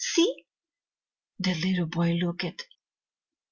See?' The little boy looked.